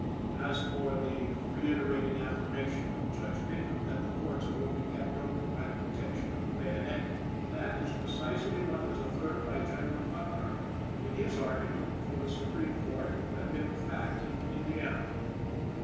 As for the reiterated affirmation of Judge Bingham that the courts were only kept open by the protection of the bayonet; that is precisely what was affirmed by General Butler, in his argument before the Supreme Court, to have been the fact in Indiana.